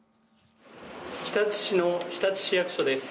日立市の日立市役所です。